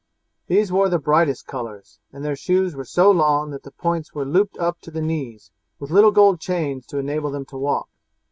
These wore the brightest colours, and their shoes were so long that the points were looped up to the knees with little gold chains to enable them to walk.